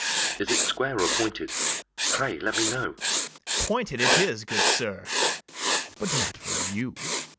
Is it square or pointed? pray, let me know. BARABAS. Pointed it is, good sir, but not for you.